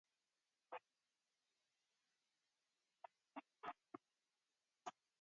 The tape has a white label and carries no catalogue number.